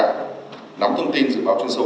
nắm thông tin dự báo chuyên sâu